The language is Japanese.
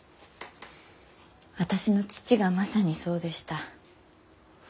私の父がまさにそうでした。